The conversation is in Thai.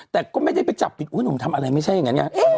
แต่ก็ไม่ได้ไปจับผิดอุ๊ยหนุ่มทำอะไรไม่ใช่อย่างนั้นไง